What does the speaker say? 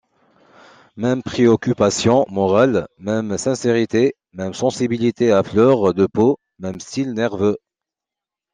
Même préoccupations morales, même sincérité, même sensibilité à fleur de peau, même style nerveux.